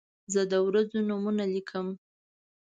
زه د ورځو نومونه لیکم.